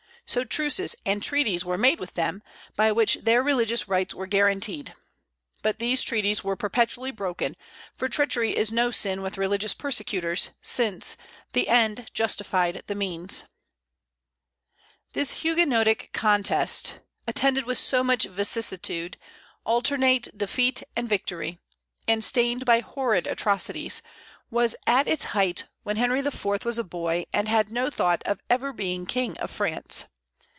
So truces and treaties were made with them, by which their religious rights were guaranteed. But these treaties were perpetually broken, for treachery is no sin with religious persecutors, since "the end justified the means." This Huguenotic contest, attended with so much vicissitude, alternate defeat and victory, and stained by horrid atrocities, was at its height when Henry IV. was a boy, and had no thought of ever being King of France.